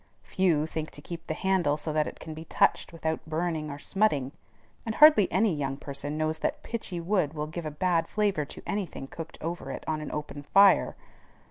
Few think to keep the handle so that it can be touched without burning or smutting; and hardly any young person knows that pitchy wood will give a bad flavor to any thing cooked over it on an open fire.